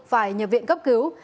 phải nhập viện cấp cứu